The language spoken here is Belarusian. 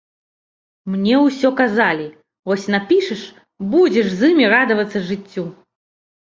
Мне ўсё казалі, вось напішаш, будзеш з імі радавацца жыццю.